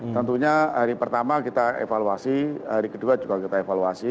tentunya hari pertama kita evaluasi hari kedua juga kita evaluasi